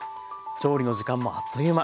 調理の時間もあっという間。